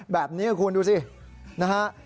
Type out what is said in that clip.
แบบนี้คุณดูสินะฮะ